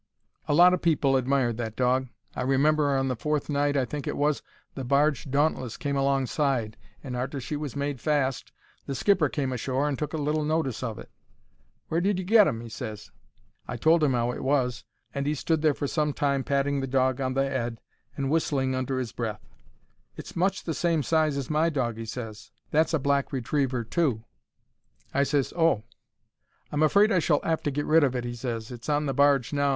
A lot o' people admired that dog. I remember, on the fourth night I think it was, the barge Dauntless came alongside, and arter she was made fast the skipper came ashore and took a little notice of it. "Where did you get 'im?" he ses. I told 'im 'ow it was, and he stood there for some time patting the dog on the 'ead and whistling under 'is breath. "It's much the same size as my dog," he ses; "that's a black retriever, too." I ses "Oh!" "I'm afraid I shall 'ave to get rid of it," he ses. "It's on the barge now.